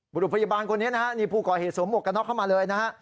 บุรุษพยาบาลคนนี้ผู้ก่อเหตุสมอวกนอกเข้ามาเลย